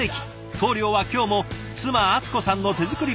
棟梁は今日も妻あつこさんの手作り弁当。